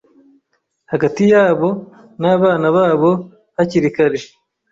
hagati yabo N’abana babo hakiri kare ,